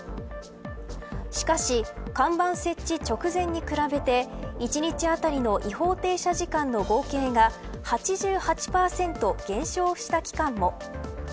しかし看板政治直前に比べて１日あたりの違法停車時間の８８％減少した期間も。